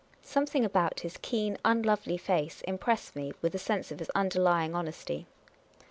Something about his keen, unlovely face impressed me with a .sense of his underlying honesty.